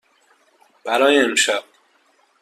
برای امشب.